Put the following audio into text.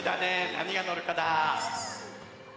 なにがのるかな？